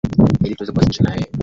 ili tuweze kuwasiliana na yeye